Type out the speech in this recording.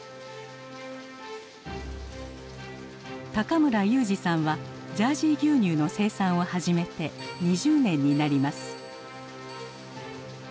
村祐二さんはジャージー牛乳の生産を始めて２０年になります。